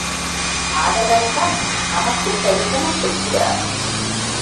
ஆதலால் தான் நமக்குத் தரிசனம் கொடுக்கிறார்.